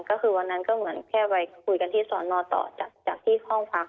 ก็คือวันนั้นก็เหมือนแค่ไปคุยกันที่สอนอต่อจากที่ห้องพัก